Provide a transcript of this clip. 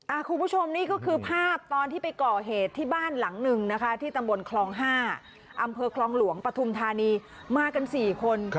คุณผู้ชมนี่ก็คือภาพตอนที่ไปก่อเหตุที่บ้านหลังหนึ่งนะคะที่ตำบลคลองห้าอำเภอคลองหลวงปฐุมธานีมากันสี่คน